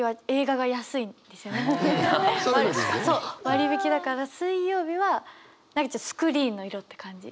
割引だから水曜日はスクリーンの色って感じ。